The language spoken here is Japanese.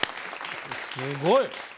すごい！